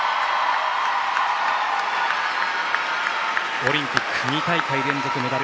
オリンピック２大会連続メダル。